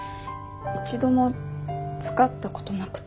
一度も使ったことなくて。